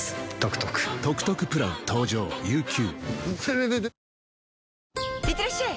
ニトリいってらっしゃい！